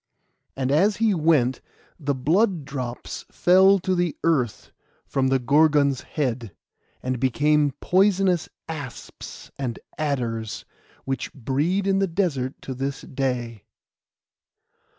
And as he went the blood drops fell to the earth from the Gorgon's head, and became poisonous asps and adders, which breed in the desert to this day.